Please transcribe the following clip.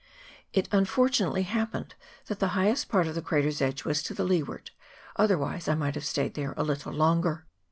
It unfortunately happened that the highest part of the crater's edge was to leeward, otherwise I might have stayed there a little longer.